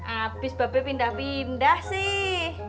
abis bape pindah pindah sih